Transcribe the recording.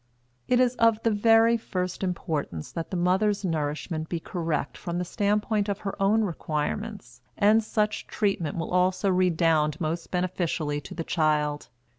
It is of the very first importance that the mother's nourishment be correct from the standpoint of her own requirements, and such treatment will also redound most beneficially to the child.